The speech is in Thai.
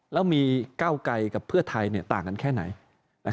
แล้วมีก้าวไกลกับเพื่อไทยต่างกันแค่ไหน